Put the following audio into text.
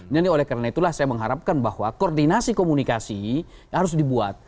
jadi oleh karena itulah saya mengharapkan bahwa koordinasi komunikasi harus dibuat